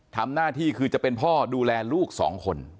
ทำหน้าที่คือจะเป็นพ่อดูแลลูกสองคน